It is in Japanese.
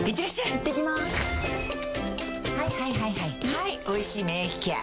はい「おいしい免疫ケア」